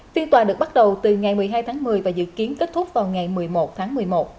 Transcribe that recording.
phiên tòa được bắt đầu từ ngày một mươi hai tháng một mươi và dự kiến kết thúc vào ngày một mươi một tháng một mươi một